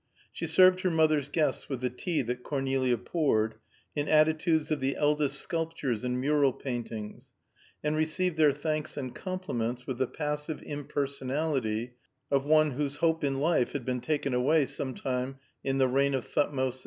She served her mother's guests with the tea that Cornelia poured, in attitudes of the eldest sculptures and mural paintings, and received their thanks and compliments with the passive impersonality of one whose hope in life had been taken away some time in the reign of Thotmes II.